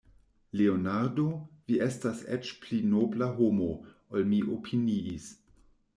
Leonardo, vi estas eĉ pli nobla homo, ol mi opiniis.